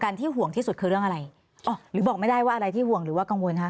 ที่ห่วงที่สุดคือเรื่องอะไรอ๋อหรือบอกไม่ได้ว่าอะไรที่ห่วงหรือว่ากังวลคะ